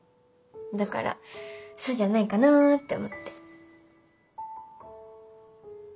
だからそうじゃないかなって思って。